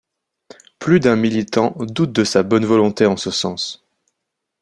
Plus d'un militant doute de sa bonne volonté en ce sens.